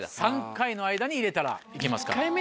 ３回の間に入れたら行けますから。